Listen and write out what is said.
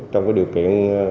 trong điều kiện